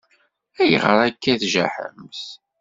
Ayɣer akka i tjaḥemt?